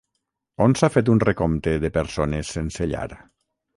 On s'ha fet un recompte de persones sense llar?